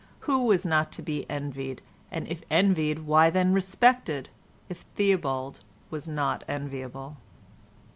Who was not to be envied, and if envied why then respected, if Theobald was not enviable?